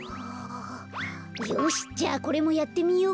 よしじゃあこれもやってみようか。